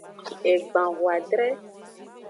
Egban hoadre.